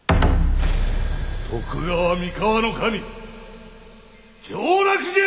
徳川三河守上洛じゃ！